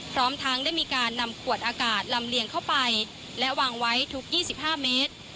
พร้อมทั้งได้มีการนำขวดอากาศลำเลียงเข้าไปและวางไว้ทุก๒๕เมตร